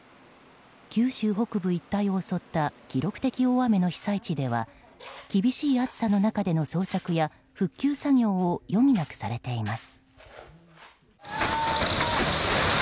九州北部一帯を襲った記録的大雨の被災地では厳しい暑さの中での捜索や復旧作業を余儀なくされています。